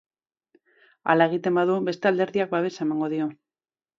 Hala egiten badu, beste alderdiak babesa emango dio.